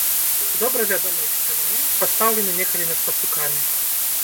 Добра вядомы эксперымент, пастаўлены некалі над пацукамі.